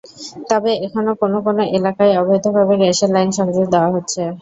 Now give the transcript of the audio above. তবে এখনো কোনো কোনো এলাকায় অবৈধভাবে গ্যাসের লাইন সংযোগ দেওয়া হচ্ছে।